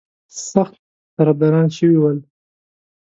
سخت طرفداران شوي ول.